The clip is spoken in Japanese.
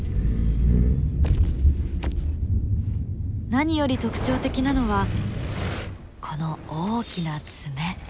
何より特徴的なのはこの大きな爪。